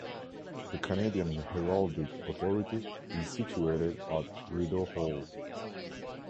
The Canadian Heraldic Authority is situated at Rideau Hall.